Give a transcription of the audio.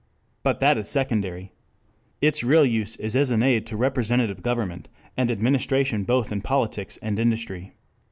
But that is secondary. Its real use is as an aid to representative government and administration both in politics and industry.